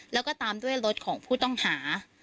แล้วก็ตามด้วยรถของผู้ต้องหา